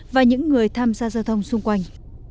và những người tham gia giao thông xung quanh